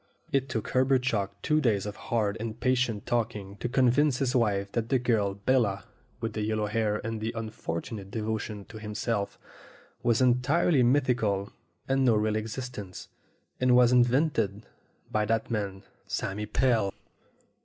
It took Herbert Chalk two days of hard and patient talking to convince his wife that the girl Bella, with the yellow hair and' the unfortunate devotion to him self, was entirely mythical, had no real existence, and was invented by that bad man, Sammy Pell.